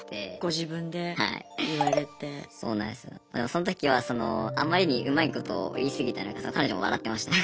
その時はそのあまりにうまいことを言い過ぎたのか彼女も笑ってました。